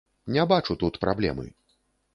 Не бачу тут праблемы.